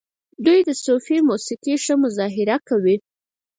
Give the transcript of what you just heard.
دوی د صوفي موسیقۍ ښه مظاهره کوي.